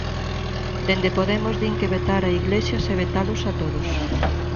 Dende Podemos din que vetar a Iglesias é vetalos a todos.